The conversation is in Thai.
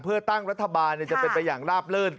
เพื่อตั้งรัฐบาลจะเป็นไปอย่างลาบลื่น